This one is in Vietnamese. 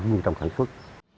như trong sản xuất